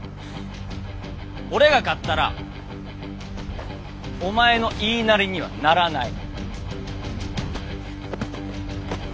俺が勝ったらお前の言いなりにはならない。